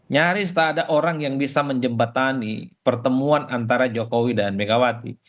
nyaris tak ada orang yang bisa menjembatani pertemuan antara jokowi dan megawati